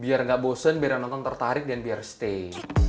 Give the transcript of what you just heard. biar gak bosen biar nonton tertarik dan biar stay